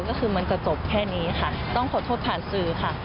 ก็คือมันจะจบแค่นี้ค่ะต้องขอโทษผ่านสื่อค่ะ